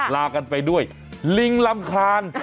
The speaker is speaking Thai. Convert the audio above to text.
ลากันไปด้วยลิงรำคาญ